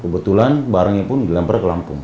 kebetulan barangnya pun dilempar ke lampung